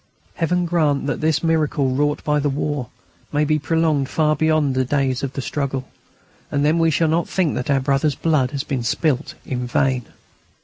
Heaven grant that this miracle, wrought by the war, may be prolonged far beyond the days of the struggle, and then we shall not think that our brothers' blood has been spilt in vain.